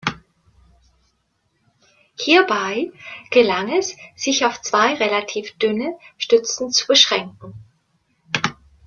Hierbei gelang es, sich auf zwei relativ dünne Stützen zu beschränken.